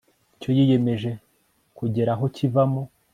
icyo yiyemeje kugera aho kivamo